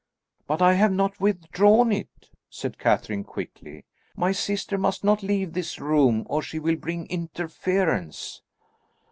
"But I have not withdrawn it," said Catherine quickly. "My sister must not leave this room or she will bring interference."